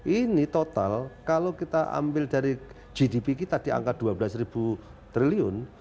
ini total kalau kita ambil dari gdp kita di angka dua belas triliun